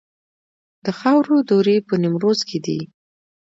د خاورو دوړې په نیمروز کې دي